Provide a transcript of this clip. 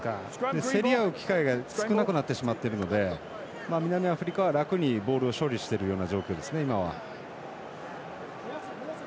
競り合う機会が少なくなってしまってるので南アフリカは楽にボールを処理しているような状況ですね今は。